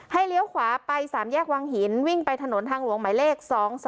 เลี้ยวขวาไป๓แยกวังหินวิ่งไปถนนทางหลวงหมายเลข๒๒